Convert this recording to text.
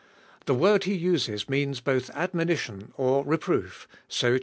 The word he uses means both admonition or reproof (so xii.